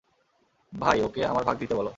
ভাই, ওকে আমার ভাগ দিতে বলো।